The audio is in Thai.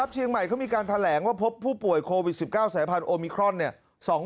เชียงใหม่เขามีการแถลงว่าพบผู้ป่วยโควิด๑๙สายพันธุมิครอน